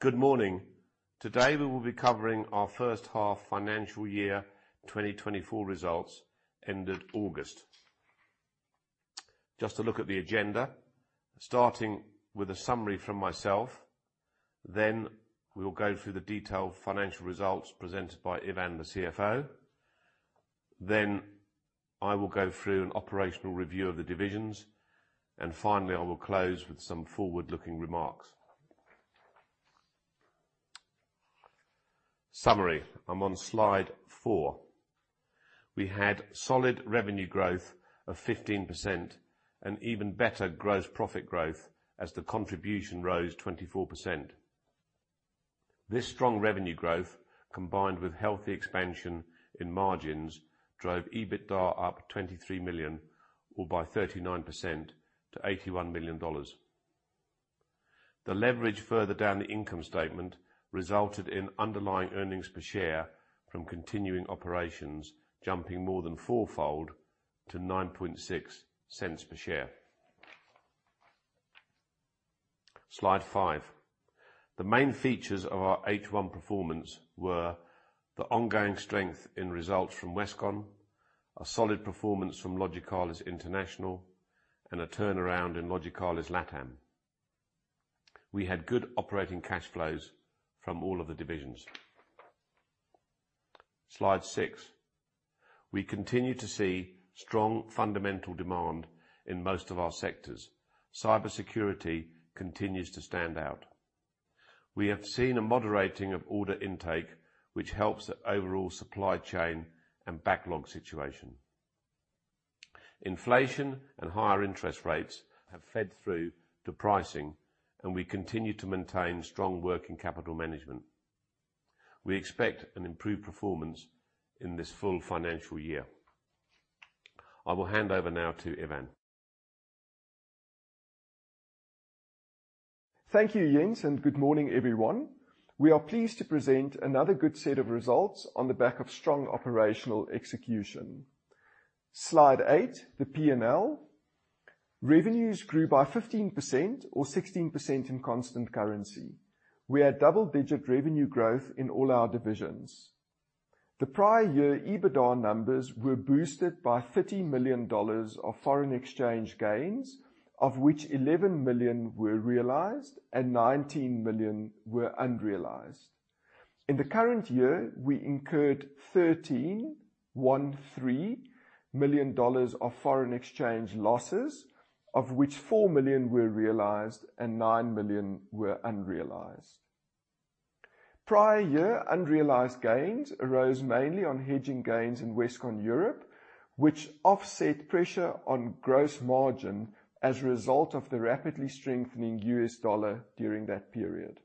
Good morning. Today, we will be covering our first half financial year 2024 results ended August. Just to look at the agenda, starting with a summary from myself. We will go through the detailed financial results presented by Ivan, the CFO. I will go through an operational review of the divisions, and finally, I will close with some forward-looking remarks. Summary. I'm on slide four. We had solid revenue growth of 15% and even better gross profit growth as the contribution rose 24%. This strong revenue growth, combined with healthy expansion in margins, drove EBITDA up $23 million or by 39% to $81 million. The leverage further down the income statement resulted in underlying earnings per share from continuing operations jumping more than fourfold to $0.096 per share. Slide five. The main features of our H1 performance were the ongoing strength in results from Westcon, a solid performance from Logicalis International, and a turnaround in Logicalis LATAM. We had good operating cash flows from all of the divisions. Slide six. We continue to see strong fundamental demand in most of our sectors. Cybersecurity continues to stand out. We have seen a moderating of order intake, which helps the overall supply chain and backlog situation. Inflation and higher interest rates have fed through to pricing, and we continue to maintain strong working capital management. We expect an improved performance in this full financial year. I will hand over now to Ivan. Thank you, Jens. Good morning, everyone. We are pleased to present another good set of results on the back of strong operational execution. Slide 8, the P&L. Revenues grew by 15% or 16% in constant currency. We had double-digit revenue growth in all our divisions. The prior year EBITDA numbers were boosted by $30 million of foreign exchange gains, of which $11 million were realized and $19 million were unrealized. In the current year, we incurred $13 million of foreign exchange losses, of which $4 million were realized and $9 million were unrealized. Prior year unrealized gains arose mainly on hedging gains in Westcon Europe, which offset pressure on gross margin as a result of the rapidly strengthening US dollar during that period.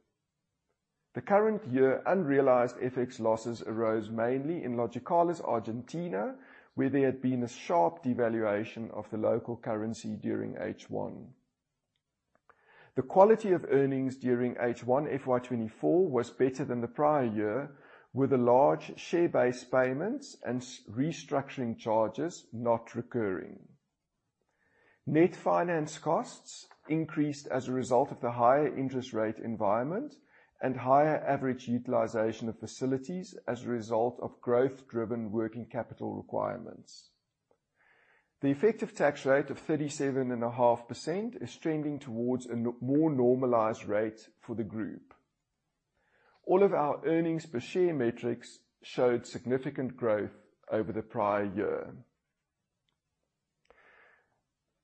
The current year unrealized FX losses arose mainly in Logicalis Argentina, where there had been a sharp devaluation of the local currency during H1. The quality of earnings during H1 FY 2024 was better than the prior year, with the large share-based payments and restructuring charges not recurring. Net finance costs increased as a result of the higher interest rate environment and higher average utilization of facilities as a result of growth-driven working capital requirements. The effective tax rate of 37.5% is trending towards a more normalized rate for the group. All of our earnings per share metrics showed significant growth over the prior year.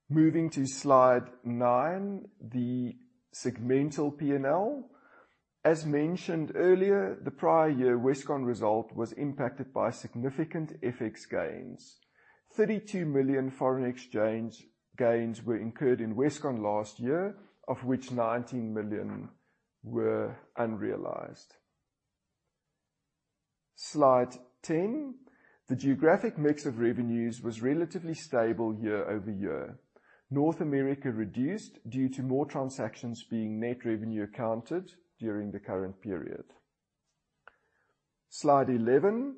Moving to slide nine, the segmental P&L. As mentioned earlier, the prior year Westcon result was impacted by significant FX gains. $32 million foreign exchange gains were incurred in Westcon last year, of which $19 million were unrealized. Slide 10, the geographic mix of revenues was relatively stable year-over-year. North America reduced due to more transactions being net revenue accounted during the current period. Slide 11.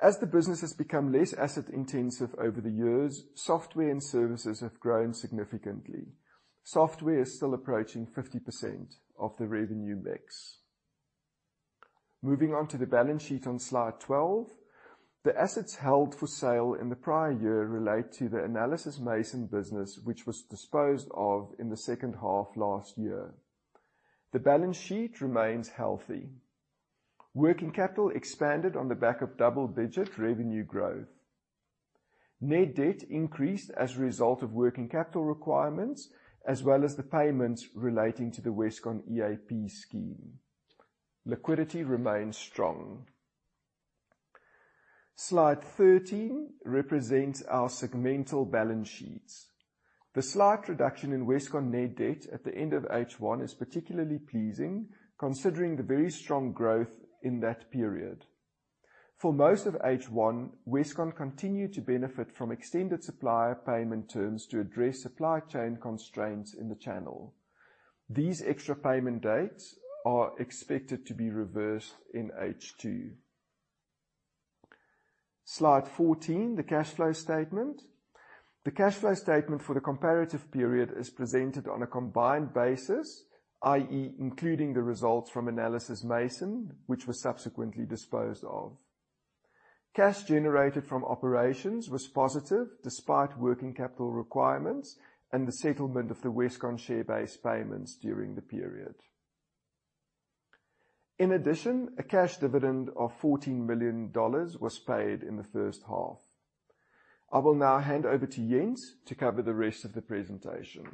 As the business has become less asset-intensive over the years, software and services have grown significantly. Software is still approaching 50% of the revenue mix. Moving on to the balance sheet on slide 12. The assets held for sale in the prior year relate to the Analysys Mason business, which was disposed of in the second half last year. The balance sheet remains healthy. Working capital expanded on the back of double-digit revenue growth. Net debt increased as a result of working capital requirements, as well as the payments relating to the Westcon EAP scheme. Liquidity remains strong. Slide 13 represents our segmental balance sheets. The slight reduction in Westcon net debt at the end of H1 is particularly pleasing considering the very strong growth in that period. For most of H1, Westcon continued to benefit from extended supplier payment terms to address supply chain constraints in the channel. These extra payment dates are expected to be reversed in H2. Slide 14, the cash flow statement. The cash flow statement for the comparative period is presented on a combined basis, i.e., including the results from Analysys Mason, which was subsequently disposed of. Cash generated from operations was positive despite working capital requirements and the settlement of the Westcon share base payments during the period. A cash dividend of $14 million was paid in the first half. I will now hand over to Jens to cover the rest of the presentation.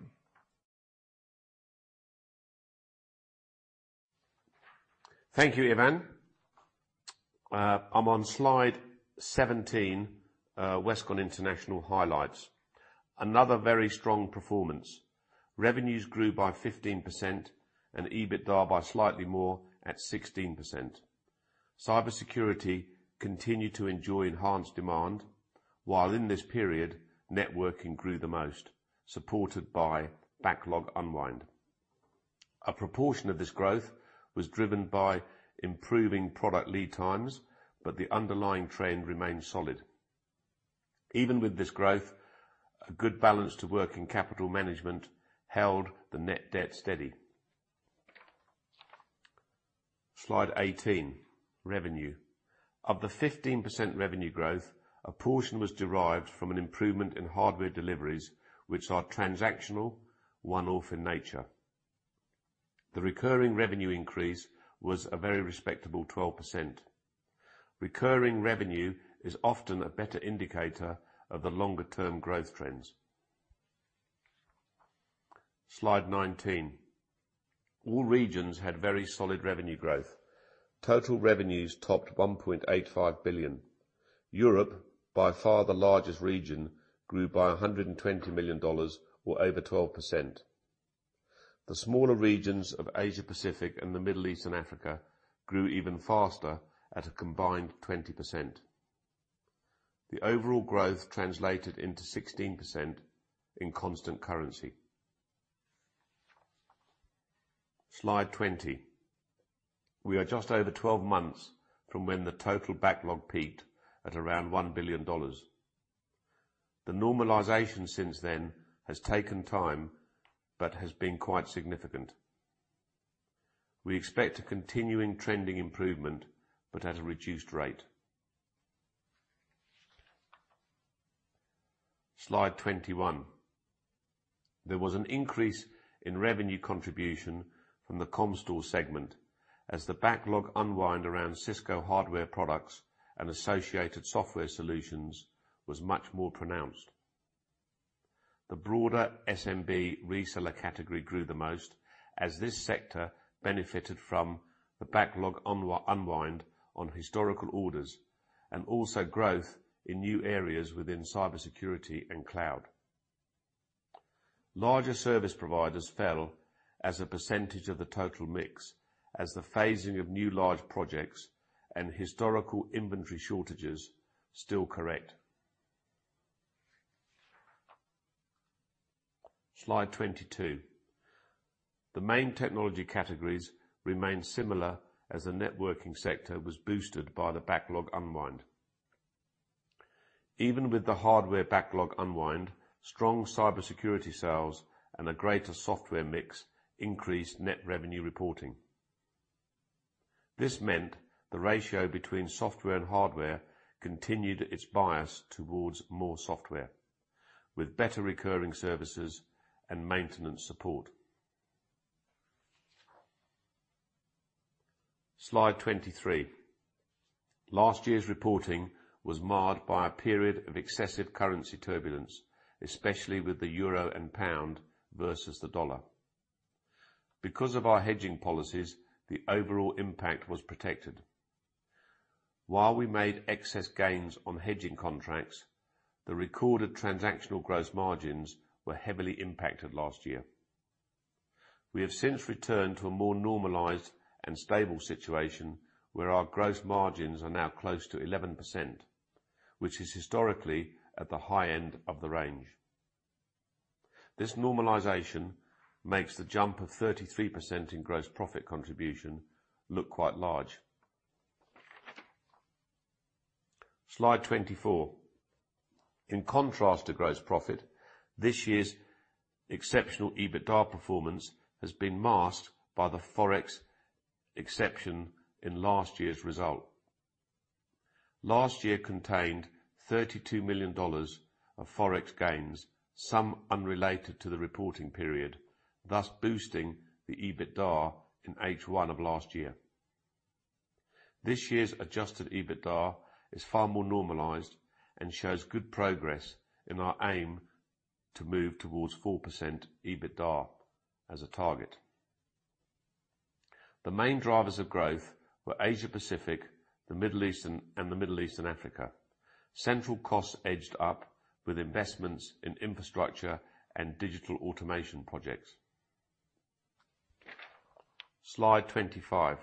Thank you, Ivan. I'm on slide 17, Westcon International highlights. Another very strong performance. Revenues grew by 15% and EBITDA by slightly more at 16%. Cybersecurity continued to enjoy enhanced demand, while in this period, networking grew the most, supported by backlog unwind. A proportion of this growth was driven by improving product lead times, the underlying trend remained solid. Even with this growth, a good balance to working capital management held the net debt steady. Slide 18, revenue. Of the 15% revenue growth, a portion was derived from an improvement in hardware deliveries, which are transactional, one-off in nature. The recurring revenue increase was a very respectable 12%. Recurring revenue is often a better indicator of the longer-term growth trends. Slide 19. All regions had very solid revenue growth. Total revenues topped $1.85 billion. Europe, by far the largest region, grew by $120 million or over 12%. The smaller regions of Asia-Pacific and the Middle East and Africa grew even faster at a combined 20%. The overall growth translated into 16% in constant currency. Slide 20. We are just over 12 months from when the total backlog peaked at around $1 billion. The normalization since then has taken time but has been quite significant. We expect a continuing trending improvement, but at a reduced rate. Slide 21. There was an increase in revenue contribution from the Comstor segment as the backlog unwind around Cisco hardware products and associated software solutions was much more pronounced. The broader SMB reseller category grew the most as this sector benefited from the backlog unwind on historical orders and also growth in new areas within cybersecurity and cloud. Larger service providers fell as a percentage of the total mix as the phasing of new large projects and historical inventory shortages still correct. Slide 22. The main technology categories remained similar as the networking sector was boosted by the backlog unwind. Even with the hardware backlog unwind, strong cybersecurity sales and a greater software mix increased net revenue reporting. This meant the ratio between software and hardware continued its bias towards more software, with better recurring services and maintenance support. Slide 23. Last year's reporting was marred by a period of excessive currency turbulence, especially with the euro and pound versus the US dollar. Because of our hedging policies, the overall impact was protected. While we made excess gains on hedging contracts, the recorded transactional gross margins were heavily impacted last year. We have since returned to a more normalized and stable situation where our gross margins are now close to 11%, which is historically at the high end of the range. This normalization makes the jump of 33% in gross profit contribution look quite large. Slide 24. In contrast to gross profit, this year's exceptional EBITDA performance has been masked by the Forex exception in last year's result. Last year contained $32 million of Forex gains, some unrelated to the reporting period, thus boosting the EBITDA in H1 of last year. This year's adjusted EBITDA is far more normalized and shows good progress in our aim to move towards 4% EBITDA as a target. The main drivers of growth were Asia-Pacific, the Middle East and Africa. Central costs edged up with investments in infrastructure and digital automation projects. Slide 25.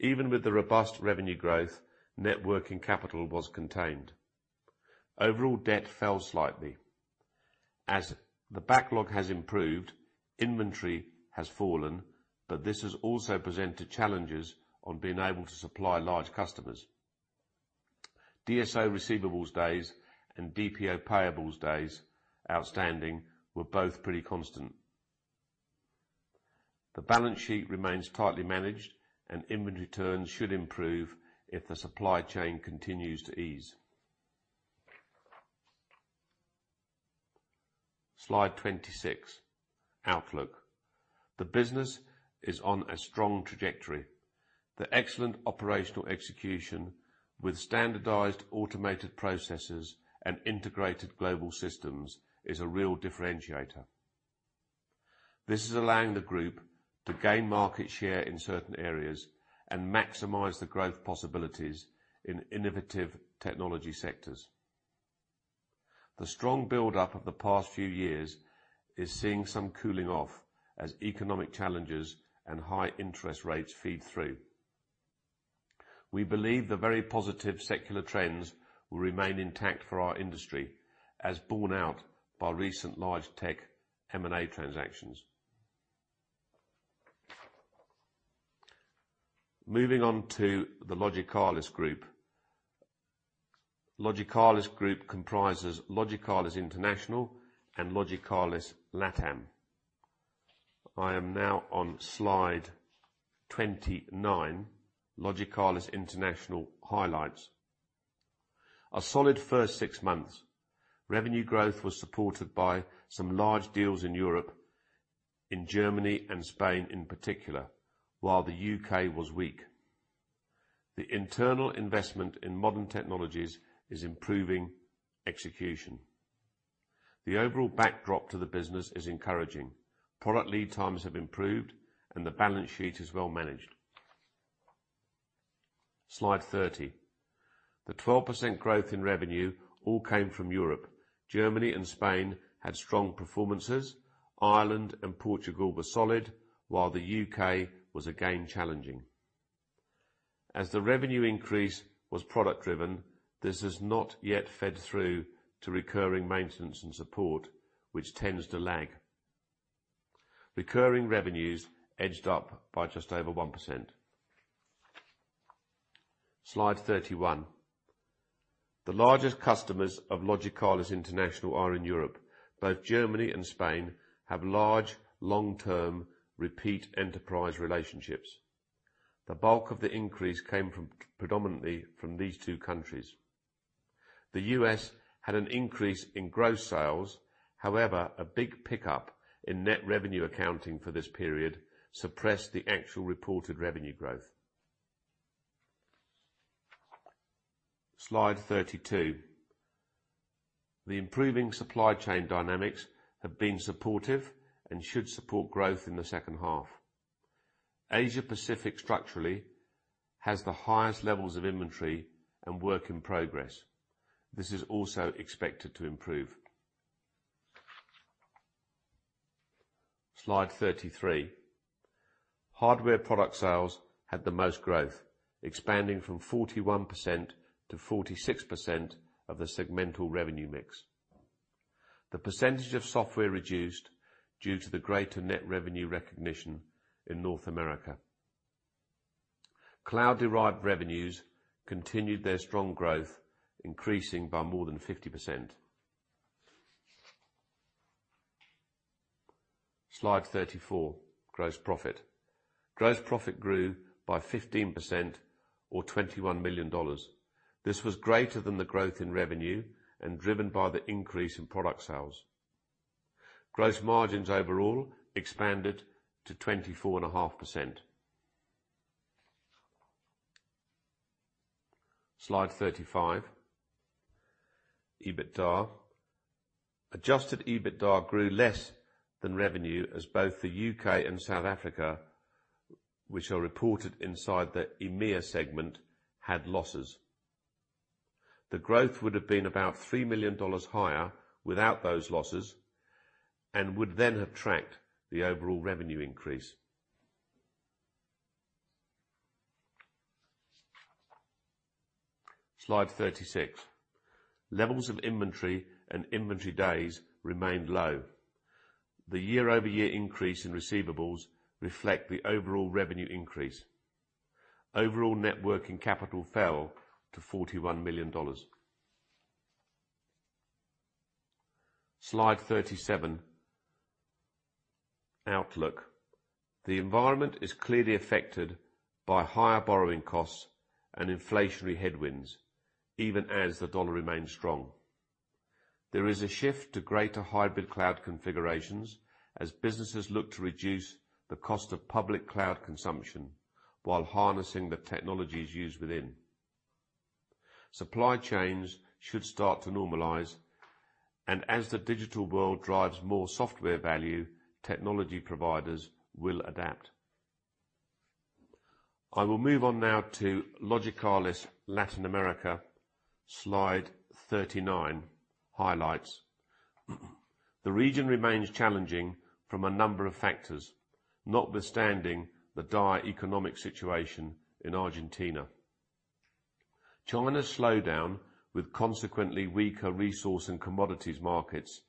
Even with the robust revenue growth, net working capital was contained. Overall debt fell slightly. As the backlog has improved, inventory has fallen, but this has also presented challenges on being able to supply large customers. DSO receivables days and DPO payables days outstanding were both pretty constant. The balance sheet remains tightly managed and inventory turns should improve if the supply chain continues to ease. Slide 26, Outlook. The business is on a strong trajectory. The excellent operational execution with standardized automated processes and integrated global systems is a real differentiator. This is allowing the group to gain market share in certain areas and maximize the growth possibilities in innovative technology sectors. The strong buildup of the past few years is seeing some cooling off as economic challenges and high interest rates feed through. We believe the very positive secular trends will remain intact for our industry, as borne out by recent large tech M&A transactions. Moving on to the Logicalis Group. Logicalis Group comprises Logicalis International and Logicalis LATAM. I am now on slide 29, Logicalis International highlights. A solid first 6 months. Revenue growth was supported by some large deals in Europe, in Germany and Spain in particular, while the U.K. was weak. The internal investment in modern technologies is improving execution. The overall backdrop to the business is encouraging. Product lead times have improved, and the balance sheet is well managed. Slide 30. The 12% growth in revenue all came from Europe. Germany and Spain had strong performances. Ireland and Portugal were solid, while the U.K. was again challenging. As the revenue increase was product driven, this has not yet fed through to recurring maintenance and support, which tends to lag. Recurring revenues edged up by just over 1%. Slide 31. The largest customers of Logicalis International are in Europe. Both Germany and Spain have large, long-term, repeat enterprise relationships. The bulk of the increase came predominantly from these two countries. The U.S. had an increase in gross sales. However, a big pickup in net revenue accounting for this period suppressed the actual reported revenue growth. Slide 32. The improving supply chain dynamics have been supportive and should support growth in the second half. Asia-Pacific structurally has the highest levels of inventory and work in progress. This is also expected to improve. Slide 33. Hardware product sales had the most growth, expanding from 41% to 46% of the segmental revenue mix. The percentage of software reduced due to the greater net revenue recognition in North America. Cloud-derived revenues continued their strong growth, increasing by more than 50%. Slide 34, gross profit. Gross profit grew by 15% or $21 million. This was greater than the growth in revenue and driven by the increase in product sales. Gross margins overall expanded to 24.5%. Slide 35, EBITDA. Adjusted EBITDA grew less than revenue as both the U.K. and South Africa, which are reported inside the EMEA segment, had losses. The growth would have been about $3 million higher without those losses and would then have tracked the overall revenue increase. Slide 36. Levels of inventory and inventory days remained low. The year-over-year increase in receivables reflect the overall revenue increase. Overall, net working capital fell to $41 million. Slide 37, Outlook. The environment is clearly affected by higher borrowing costs and inflationary headwinds, even as the US dollar remains strong. There is a shift to greater hybrid cloud configurations as businesses look to reduce the cost of public cloud consumption while harnessing the technologies used within. Supply chains should start to normalize, and as the digital world drives more software value, technology providers will adapt. I will move on now to Logicalis Latin America, slide 39, highlights. The region remains challenging from a number of factors, notwithstanding the dire economic situation in Argentina. China's slowdown with consequently weaker resource and commodities markets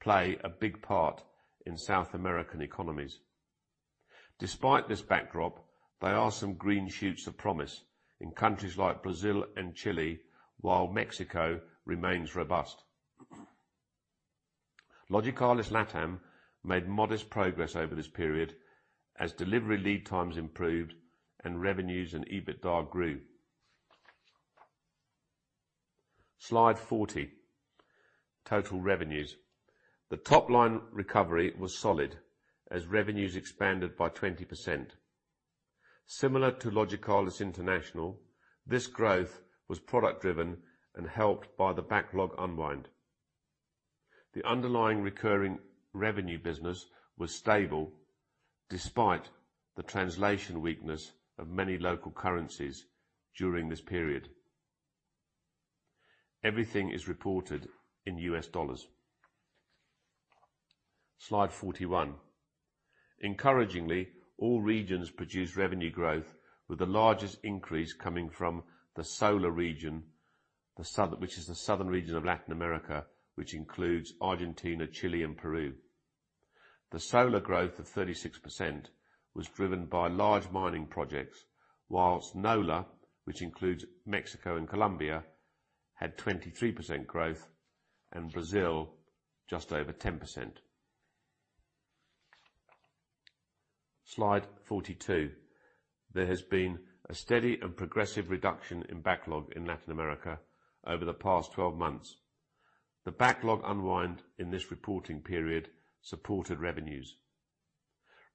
play a big part in South American economies. Despite this backdrop, there are some green shoots of promise in countries like Brazil and Chile, while Mexico remains robust. Logicalis LATAM made modest progress over this period as delivery lead times improved and revenues and EBITDA grew. Slide 40. Total revenues. The top line recovery was solid as revenues expanded by 20%. Similar to Logicalis International, this growth was product-driven and helped by the backlog unwind. The underlying recurring revenue business was stable despite the translation weakness of many local currencies during this period. Everything is reported in US dollars. Slide 41. Encouragingly, all regions produce revenue growth, with the largest increase coming from the SOLA region, which is the southern region of Latin America, which includes Argentina, Chile, and Peru. The SOLA growth of 36% was driven by large mining projects, whilst NOLA, which includes Mexico and Colombia, had 23% growth and Brazil just over 10%. Slide 42. There has been a steady and progressive reduction in backlog in Latin America over the past 12 months. The backlog unwind in this reporting period supported revenues.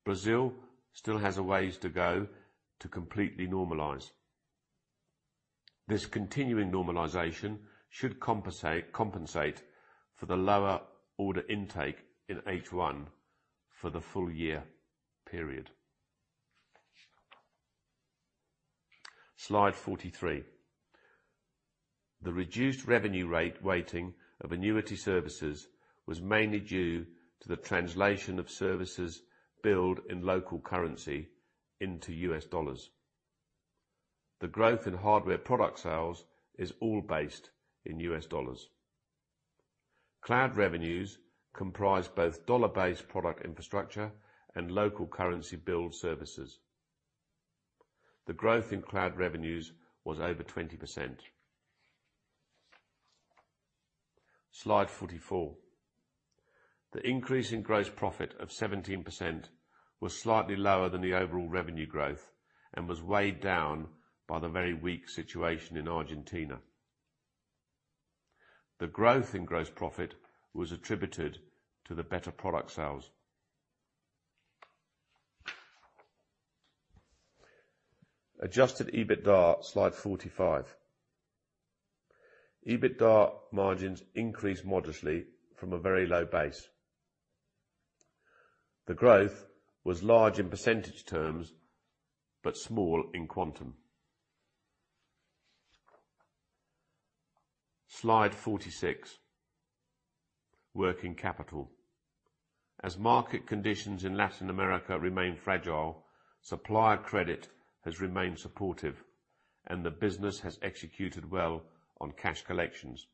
Brazil still has a ways to go to completely normalize. This continuing normalization should compensate for the lower order intake in H1 for the full year period. Slide 43. The reduced revenue rate weighting of annuity services was mainly due to the translation of services billed in local currency into US dollars. The growth in hardware product sales is all based in US dollars. Cloud revenues comprise both dollar-based product infrastructure and local currency billed services. The growth in cloud revenues was over 20%. Slide 44. The increase in gross profit of 17% was slightly lower than the overall revenue growth and was weighed down by the very weak situation in Argentina. The growth in gross profit was attributed to the better product sales. Adjusted EBITDA, slide 45. EBITDA margins increased modestly from a very low base. The growth was large in percentage terms, but small in quantum. Slide 46. Working capital. As market conditions in Latin America remain fragile, supplier credit has remained supportive and the business has executed well on cash collections.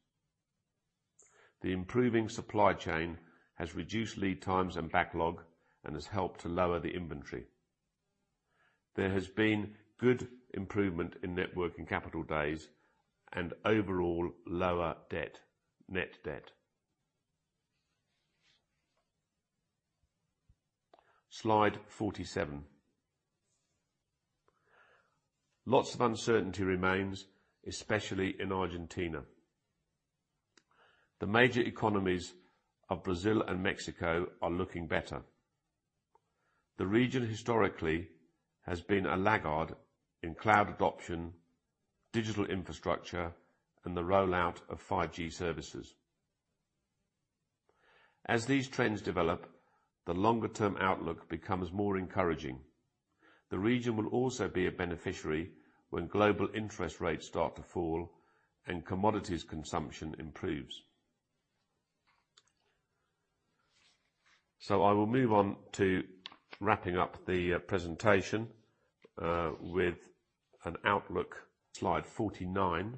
The improving supply chain has reduced lead times and backlog and has helped to lower the inventory. There has been good improvement in net working capital days and overall lower debt, net debt. Slide 47. Lots of uncertainty remains, especially in Argentina. The major economies of Brazil and Mexico are looking better. The region historically has been a laggard in cloud adoption, digital infrastructure, and the rollout of 5G services. As these trends develop, the longer term outlook becomes more encouraging. The region will also be a beneficiary when global interest rates start to fall and commodities consumption improves. I will move on to wrapping up the presentation with an outlook. Slide 49.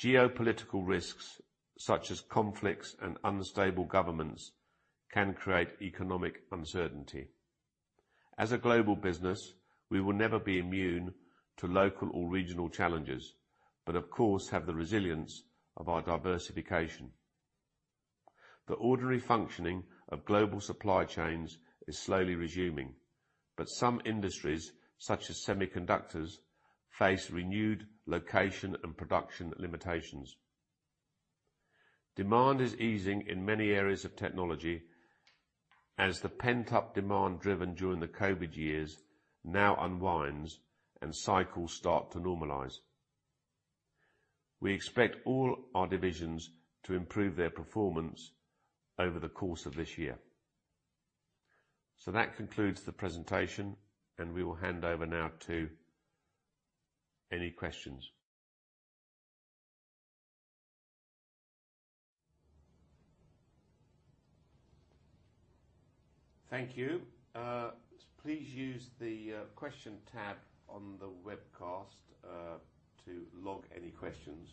Geopolitical risks such as conflicts and unstable governments can create economic uncertainty. As a global business, we will never be immune to local or regional challenges, but of course have the resilience of our diversification. The ordinary functioning of global supply chains is slowly resuming. Some industries, such as semiconductors, face renewed location and production limitations. Demand is easing in many areas of technology as the pent-up demand driven during the COVID years now unwinds and cycles start to normalize. We expect all our divisions to improve their performance over the course of this year. That concludes the presentation, and we will hand over now to any questions. Thank you. Please use the question tab on the webcast to log any questions.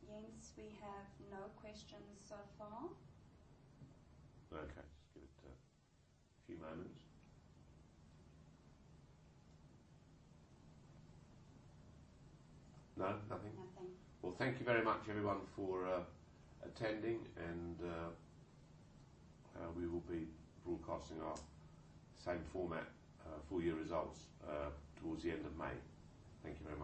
Jens, we have no questions so far. Okay. Just give it a few moments. No, nothing? Nothing. Well, thank you very much everyone for attending and we will be broadcasting our same format full year results towards the end of May. Thank you very much.